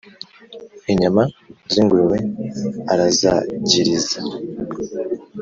Inyama z'ingurube arazagiriza: